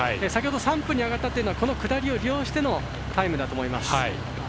先ほど３分に上がったというのはこの下りを利用してのタイムだと思います。